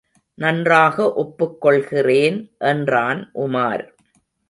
நன்றாக ஒப்புக் கொள்கிறேன் என்றான் உமார்.